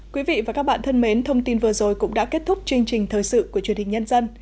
quý vị và các bạn thân mến thông tin vừa rồi cũng đã kết thúc chương trình thời sự của truyền hình nhân dân